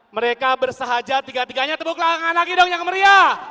mereka bersahaja tiganya tepuk tangan lagi dong yang meriah